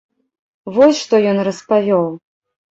Вось што ён распавёў.